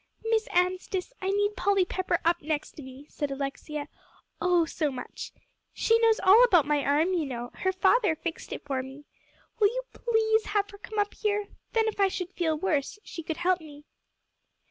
"Miss Anstice, I need Polly Pepper up next to me," said Alexia, "oh, so much. She knows all about my arm, you know; her father fixed it for me. Will you please have her come up here? Then if I should feel worse, she could help me."